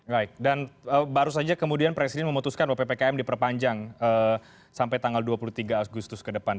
baik dan baru saja kemudian presiden memutuskan bahwa ppkm diperpanjang sampai tanggal dua puluh tiga agustus ke depan